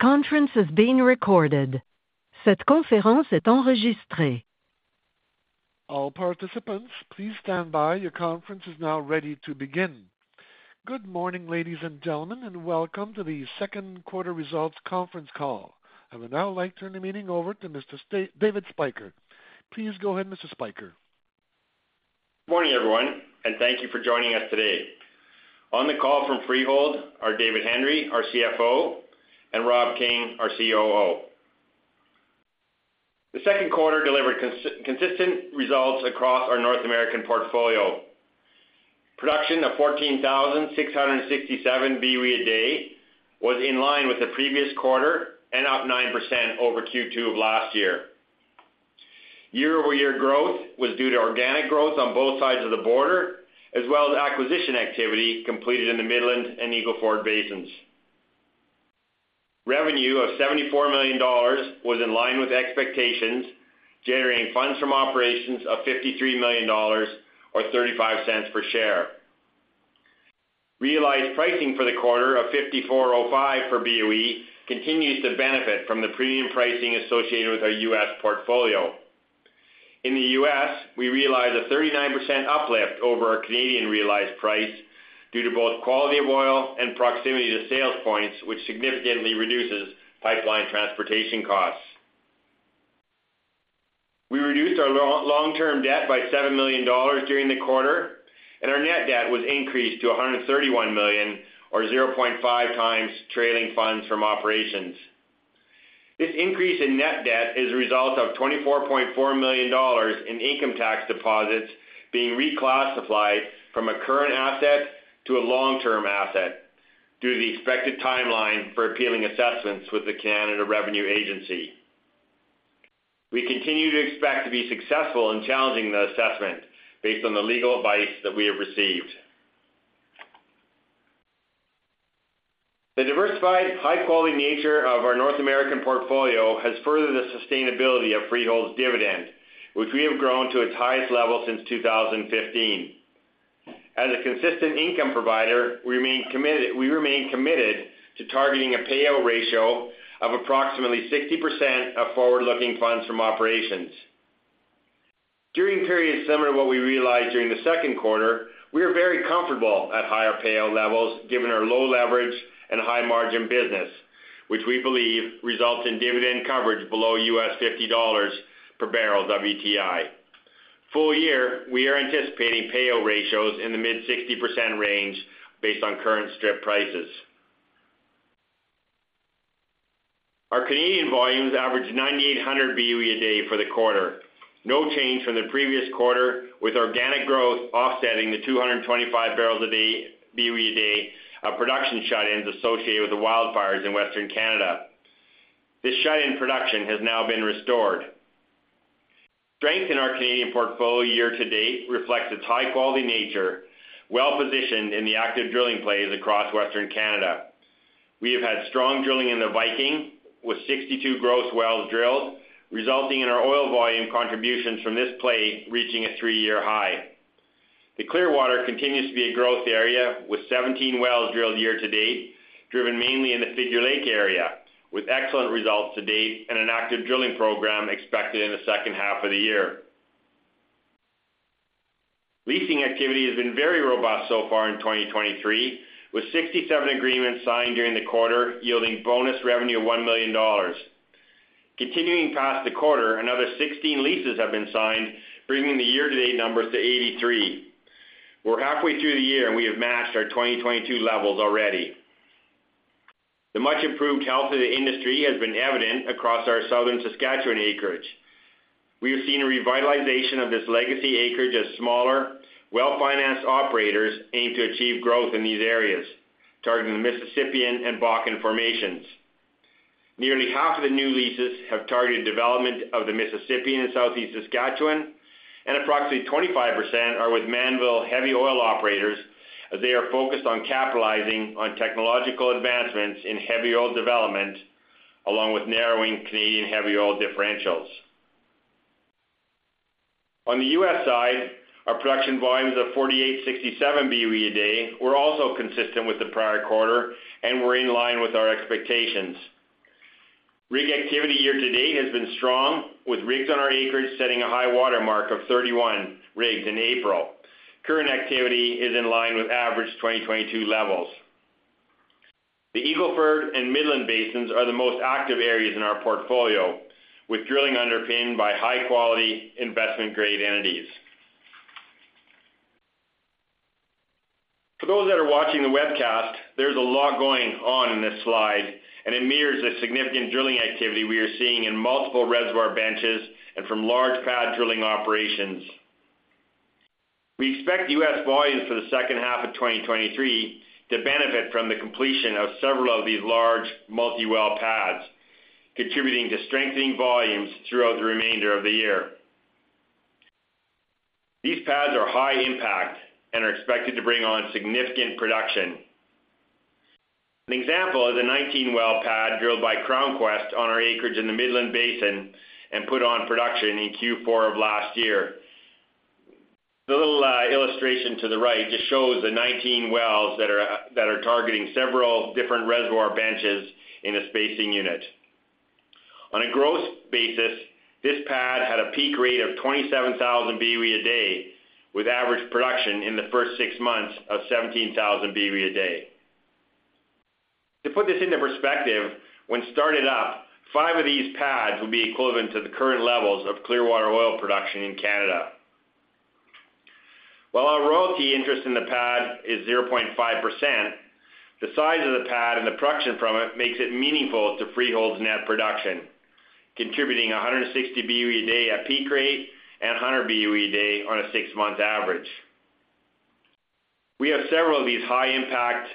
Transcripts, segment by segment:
This conference is being recorded. All participants, please stand by. Your conference is now ready to begin. Good morning, ladies and gentlemen, and welcome to the Q2 results conference call. I would now like to turn the meeting over to Mr. David Spyker. Please go ahead, Mr. Spyker. Good morning, everyone. Thank you for joining us today. On the call from Freehold are David Hendry, our CFO, and Rob King, our COO. The Q2 delivered consistent results across our North American portfolio. Production of 14,667 Boe a day was in line with the previous quarter and up 9% over Q2 of last year. Year-over-year growth was due to organic growth on both sides of the border, as well as acquisition activity completed in the Midland and Eagle Ford Basins. Revenue of $74 million was in line with expectations, generating funds from operations of $53 million or $0.35 per share. Realized pricing for the quarter of $54.05 for Boe continues to benefit from the premium pricing associated with our U.S. portfolio. In the US, we realized a 39% uplift over our Canadian realized price due to both quality of oil and proximity to sales points, which significantly reduces pipeline transportation costs. We reduced our long, long-term debt by $7 million during the quarter. Our net debt was increased to $131 million, or 0.5 times trailing funds from operations. This increase in net debt is a result of $24.4 million in income tax deposits being reclassified from a current asset to a long-term asset, due to the expected timeline for appealing assessments with the Canada Revenue Agency. We continue to expect to be successful in challenging the assessment based on the legal advice that we have received. The diversified, high-quality nature of our North American portfolio has furthered the sustainability of Freehold's dividend, which we have grown to its highest level since 2015. As a consistent income provider, we remain committed to targeting a payout ratio of approximately 60% of forward-looking funds from operations. During periods similar to what we realized during the second quarter, we are very comfortable at higher payout levels, given our low leverage and high-margin business, which we believe results in dividend coverage below US $50 per barrel WTI. Full year, we are anticipating payout ratios in the mid-60% range based on current strip prices. Our Canadian volumes averaged 9,800 Boe a day for the quarter. No change from the previous quarter, with organic growth offsetting the 225 barrels a day boe a day of production shut-ins associated with the wildfires in Western Canada. This shut-in production has now been restored. Strength in our Canadian portfolio year to date reflects its high-quality nature, well-positioned in the active drilling plays across Western Canada. We have had strong drilling in the Viking, with 62 gross wells drilled, resulting in our oil volume contributions from this play reaching a 3-year high. The Clearwater continues to be a growth area, with 17 wells drilled year to date, driven mainly in the Figure Lake area, with excellent results to date and an active drilling program expected in the second half of the year. Leasing activity has been very robust so far in 2023, with 67 agreements signed during the quarter, yielding bonus revenue of 1 million dollars. Continuing past the quarter, another 16 leases have been signed, bringing the year-to-date numbers to 83. We're halfway through the year, and we have matched our 2022 levels already. The much-improved health of the industry has been evident across our southern Saskatchewan acreage. We have seen a revitalization of this legacy acreage as smaller, well-financed operators aim to achieve growth in these areas, targeting the Mississippian and Bakken formations. Nearly half of the new leases have targeted development of the Mississippian in southeast Saskatchewan, and approximately 25% are with Mannville heavy oil operators, as they are focused on capitalizing on technological advancements in heavy oil development, along with narrowing Canadian heavy oil differentials. On the U.S. side, our production volumes of 4,867 boe a day were also consistent with the prior quarter and were in line with our expectations. Rig activity year to date has been strong, with rigs on our acreage setting a high water mark of 31 rigs in April. Current activity is in line with average 2022 levels. The Eagle Ford and Midland Basins are the most active areas in our portfolio, with drilling underpinned by high-quality, investment-grade entities. For those that are watching the webcast, there's a lot going on in this slide. It mirrors the significant drilling activity we are seeing in multiple reservoir benches and from large pad drilling operations. We expect U.S. volumes for the second half of 2023 to benefit from the completion of several of these large multi-well pads, contributing to strengthening volumes throughout the remainder of the year. These pads are high impact and are expected to bring on significant production. An example is a 19-well pad drilled by CrownQuest on our acreage in the Midland Basin and put on production in Q4 of last year. The little illustration to the right just shows the 19 wells that are targeting several different reservoir benches in a spacing unit. On a gross basis, this pad had a peak rate of 27,000 BOE a day, with average production in the first 6 months of 17,000 BOE a day. To put this into perspective, when started up, 5 of these pads will be equivalent to the current levels of Clearwater oil production in Canada. While our royalty interest in the pad is 0.5%, the size of the pad and the production from it makes it meaningful to Freehold's net production, contributing 160 boe a day at peak rate and 100 boe a day on a 6-month average. We have several of these high-impact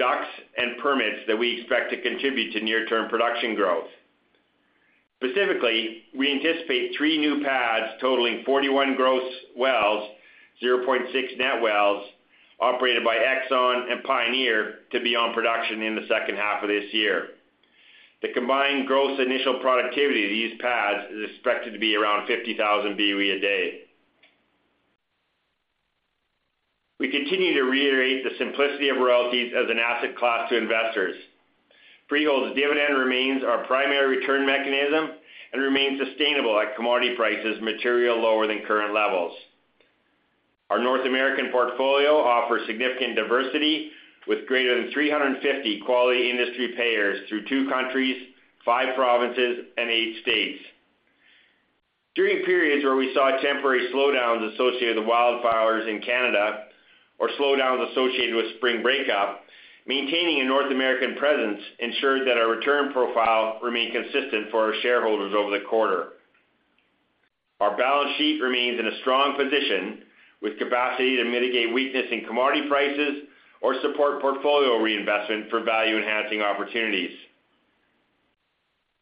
DUCs and permits that we expect to contribute to near-term production growth. Specifically, we anticipate 3 new pads totaling 41 gross wells, 0.6 net wells, operated by Exxon and Pioneer, to be on production in the second half of this year. The combined gross initial productivity of these pads is expected to be around 50,000 boe a day. We continue to reiterate the simplicity of royalties as an asset class to investors. Freehold's dividend remains our primary return mechanism and remains sustainable at commodity prices, material lower than current levels. Our North American portfolio offers significant diversity, with greater than 350 quality industry payers through 2 countries, 5 provinces, and 8 states. During periods where we saw temporary slowdowns associated with wildfires in Canada, or slowdowns associated with spring breakup, maintaining a North American presence ensured that our return profile remained consistent for our shareholders over the quarter. Our balance sheet remains in a strong position, with capacity to mitigate weakness in commodity prices or support portfolio reinvestment for value-enhancing opportunities.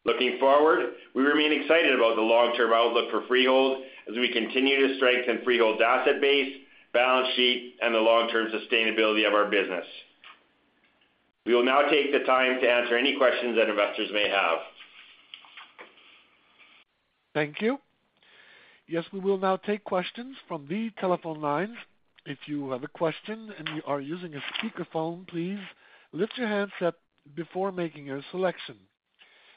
Looking forward, we remain excited about the long-term outlook for Freehold as we continue to strengthen Freehold's asset base, balance sheet, and the long-term sustainability of our business. We will now take the time to answer any questions that investors may have. Thank you. Yes, we will now take questions from the telephone lines. If you have a question and you are using a speakerphone, please lift your handset before making a selection.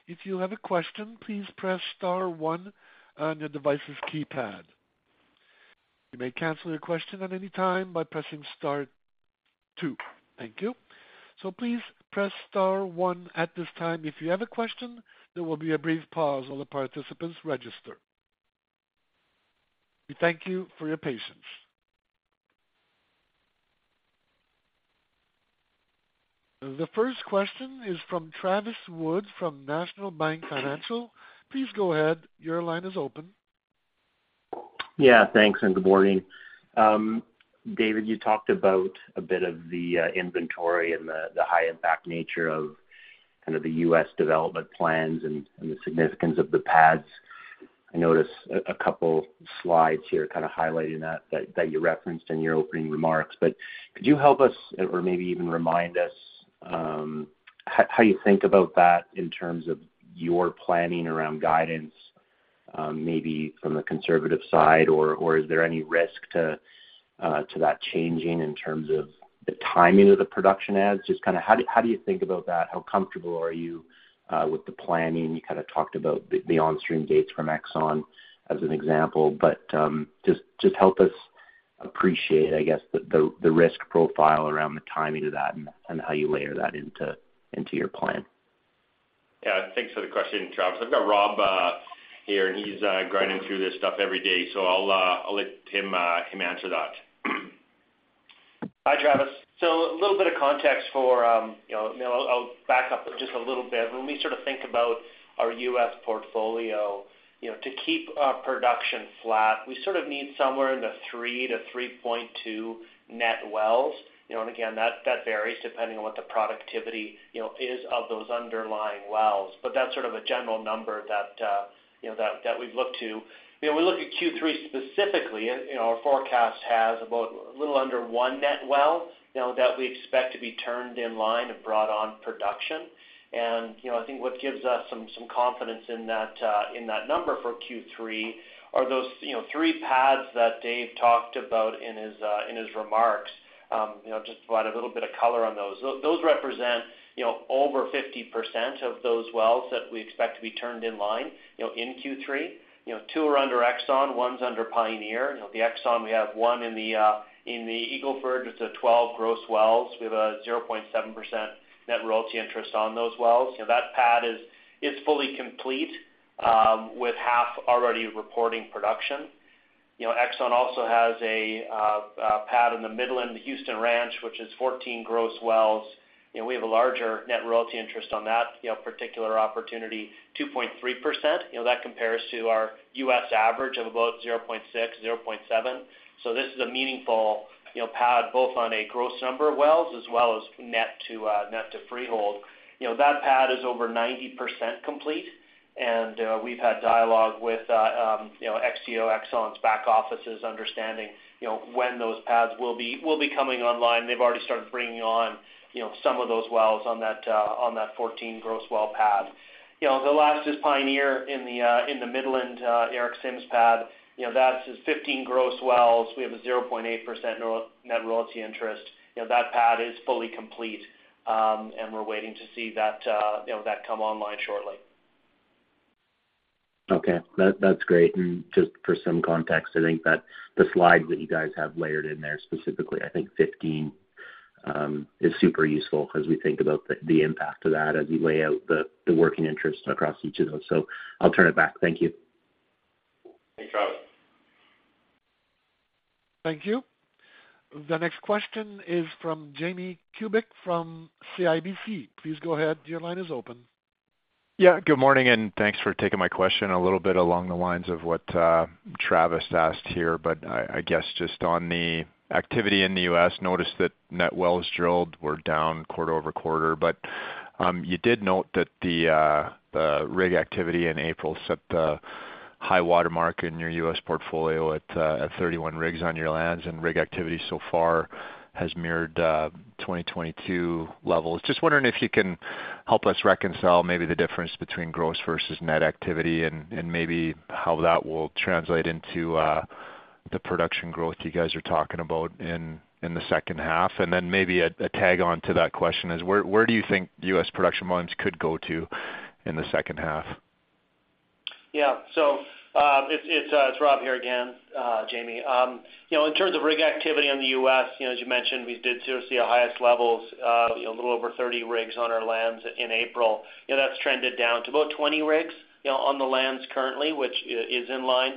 If you have a question, please press star one on your device's keypad. You may cancel your question at any time by pressing star two. Thank you. Please press star one at this time if you have a question. There will be a brief pause while the participants register. We thank you for your patience. The first question is from Travis Wood, from National Bank Financial. Please go ahead. Your line is open. Yeah, thanks, and good morning. David, you talked about a bit of the inventory and the high impact nature of kind of the U.S. development plans and the significance of the pads. I noticed a couple slides here kind of highlighting that, that, that you referenced in your opening remarks. Could you help us, or maybe even remind us, how, how you think about that in terms of your planning around guidance, maybe from the conservative side, or, or is there any risk to that changing in terms of the timing of the production ads? Just kind of how do you think about that? How comfortable are you with the planning? You kind of talked about the onstream dates from Exxon as an example, but, just help us appreciate, I guess, the risk profile around the timing of that and how you layer that into your plan. Yeah, thanks for the question, Travis. I've got Rob here, and he's grinding through this stuff every day, so I'll let him answer that. Hi, Travis. A little bit of context for, you know, you know, I'll, I'll back up just a little bit. When we sort of think about our U.S. portfolio, you know, to keep our production flat, we sort of need somewhere in the 3 to 3.2 net wells. Again, that, that varies depending on what the productivity, you know, is of those underlying wells. That's sort of a general number that, you know, that, that we'd look to. We look at Q3 specifically, and, you know, our forecast has about a little under 1 net well, you know, that we expect to be turned in line and brought on production. You know, I think what gives us some, some confidence in that in that number for Q3 are those, you know, three pads that Dave talked about in his remarks. You know, just to provide a little bit of color on those. Those, those represent, you know, over 50% of those wells that we expect to be turned in line, you know, in Q3. You know, two are under Exxon, one's under Pioneer. You know, the Exxon, we have one in the in the Eagle Ford. It's a 12 gross wells. We have a 0.7% net royalty interest on those wells. You know, that pad is, is fully complete, with half already reporting production. You know, Exxon also has a pad in the Midland Houston Ranch, which is 14 gross wells, and we have a larger net royalty interest on that, you know, particular opportunity, 2.3%. You know, that compares to our U.S. average of about 0.6%, 0.7%. This is a meaningful, you know, pad, both on a gross number of wells as well as net to net to Freehold. You know, that pad is over 90% complete. We've had dialogue with, you know, XTO, Exxon's back offices, understanding, you know, when those pads will be, will be coming online. They've already started bringing on, you know, some of those wells on that on that 14 gross well pad. You know, the last is Pioneer in the Midland Eric Sims pad. You know, that's just 15 gross wells. We have a 0.8% net royalty interest. You know, that pad is fully complete, and we're waiting to see that, you know, that come online shortly. Okay. That, that's great. Just for some context, I think that the slide that you guys have layered in there, specifically, I think 15, is super useful as we think about the, the impact of that as you lay out the, the working interest across each of those. I'll turn it back. Thank you. Thanks, Travis. Thank you. The next question is from Jamie Kubik from CIBC. Please go ahead. Your line is open. Yeah, good morning, thanks for taking my question. A little bit along the lines of what Travis asked here, I guess, just on the activity in the US, noticed that net wells drilled were down quarter-over-quarter. You did note that the rig activity in April set a high water mark in your US portfolio at 31 rigs on your lands, and rig activity so far has mirrored 2022 levels. Just wondering if you can help us reconcile maybe the difference between gross versus net activity and maybe how that will translate into the production growth you guys are talking about in the H2. Then maybe a tag on to that question is: Where do you think US production volumes could go to in the H2? Yeah. It's, it's, it's Rob here again, Jamie. You know, in terms of rig activity in the U.S., you know, as you mentioned, we did seriously our highest levels, you know, a little over 30 rigs on our lands in April. You know, that's trended down to about 20 rigs, you know, on the lands currently, which is in line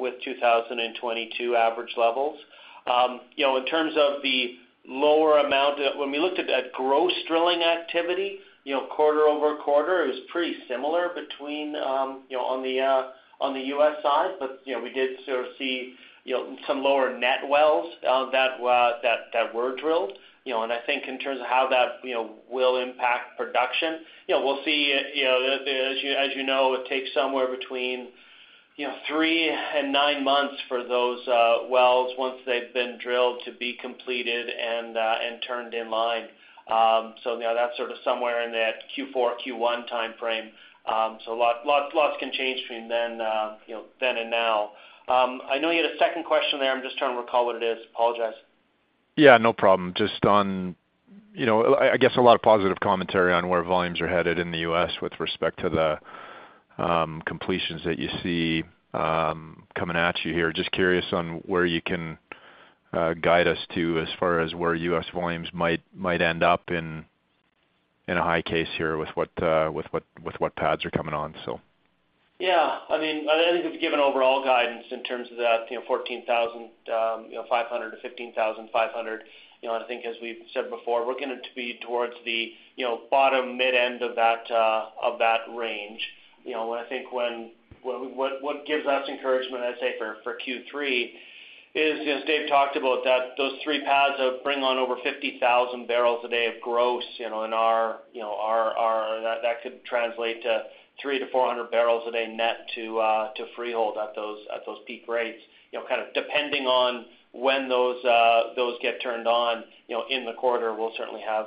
with 2022 average levels. You know, in terms of the lower amount, when we looked at gross drilling activity, you know, quarter-over-quarter, it was pretty similar between, you know, on the U.S. side. You know, we did sort of see, you know, some lower net wells that were drilled. You know, I think in terms of how that will impact production, we'll see, as you know, it takes somewhere between 3 and 9 months for those wells, once they've been drilled, to be completed and turned in line. That's sort of somewhere in that Q4, Q1 timeframe. A lot, lots, lots can change between then and now. I know you had a second question there. I'm just trying to recall what it is. Apologize. Yeah, no problem. Just on, you know, I, I guess, a lot of positive commentary on where volumes are headed in the U.S. with respect to the completions that you see coming at you here. Just curious on where you can guide us to as far as where U.S. volumes might, might end up in, in a high case here with what pads are coming on, so? Yeah. I mean, I think we've given overall guidance in terms of that, you know, 14,500-15,500. You know, and I think as we've said before, we're going to be towards the, you know, bottom, mid-end of that range. You know, I think What gives us encouragement, I'd say, for Q3 is, as Dave talked about, that those three pads bring on over 50,000 barrels a day of gross, you know, and our, you know, That, that could translate to 300-400 barrels a day net to Freehold at those, at those peak rates. You know, kind of depending on when those, those get turned on, you know, in the quarter, we'll certainly have,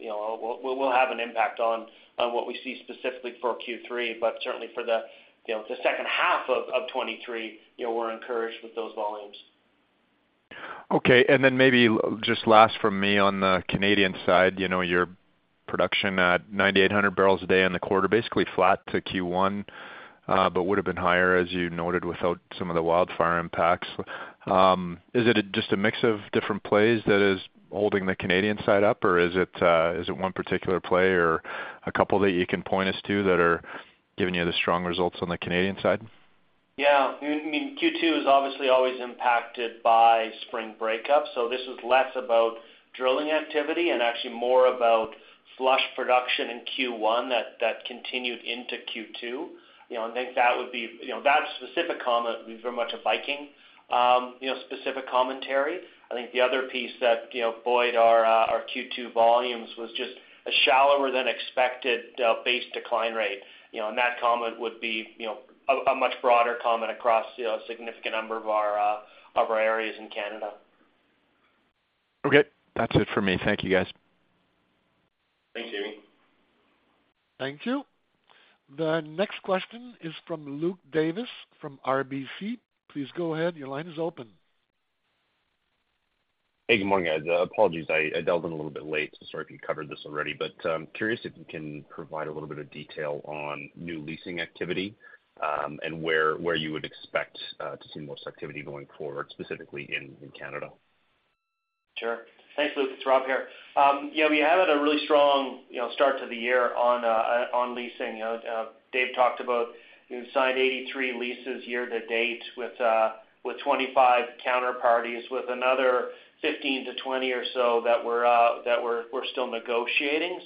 you know, we'll, we'll have an impact on, on what we see specifically for Q3. Certainly for the, you know, the second half of 2023, you know, we're encouraged with those volumes. Okay, maybe just last from me on the Canadian side, you know, your production at 9,800 barrels a day in the quarter, basically flat to Q1, but would have been higher, as you noted, without some of the wildfire impacts. Is it just a mix of different plays that is holding the Canadian side up, or is it one particular play or a couple that you can point us to that are giving you the strong results on the Canadian side? Yeah. I mean, Q2 is obviously always impacted by spring breakup, this is less about drilling activity and actually more about flush production in Q1 that, that continued into Q2. You know, I think that would be... You know, that specific comment would be very much a Viking, you know, specific commentary. I think the other piece that, you know, buoyed our, our Q2 volumes was just a shallower-than-expected, base decline rate. You know, and that comment would be, you know, a, a much broader comment across, you know, a significant number of our, of our areas in Canada. Okay. That's it for me. Thank you, guys. Thanks, Jamie. Thank you. The next question is from Luke Davis, from RBC. Please go ahead. Your line is open. Hey, good morning, guys. Apologies, I, I dialed in a little bit late, so sorry if you covered this already. But, curious if you can provide a little bit of detail on new leasing activity, and where, where you would expect to see the most activity going forward, specifically in, in Canada. Sure. Thanks, Luke. It's Rob here. Yeah, we had a really strong, you know, start to the year on leasing. You know, Dave talked about we've signed 83 leases year to date with 25 counterparties, with another 15-20 or so that we're that we're still negotiating.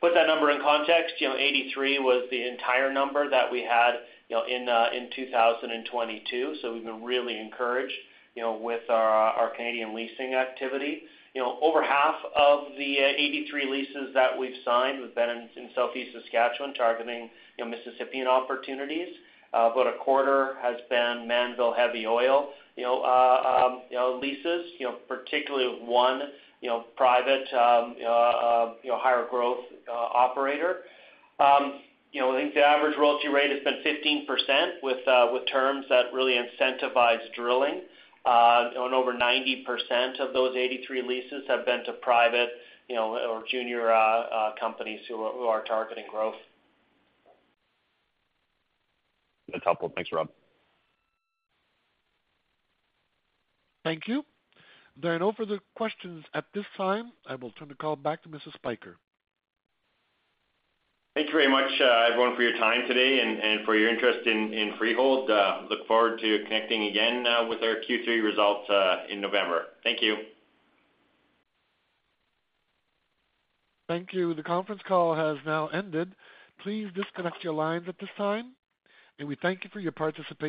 Put that number in context, you know, 83 was the entire number that we had, you know, in 2022. We've been really encouraged, you know, with our Canadian leasing activity. You know, over half of the 83 leases that we've signed have been in southeast Saskatchewan, targeting, you know, Mississippian opportunities. About a quarter has been Mannville heavy oil, you know, leases, you know, particularly one, you know, private, higher growth operator. You know, I think the average royalty rate has been 15%, with, with terms that really incentivize drilling. Over 90% of those 83 leases have been to private, you know, or junior, companies who are, who are targeting growth. That's helpful. Thanks, Rob. Thank you. There are no further questions at this time. I will turn the call back to Mr. Spyker. Thank you very much, everyone, for your time today and for your interest in Freehold. Look forward to connecting again with our Q3 results in November. Thank you. Thank you. The conference call has now ended. Please disconnect your lines at this time, and we thank you for your participation.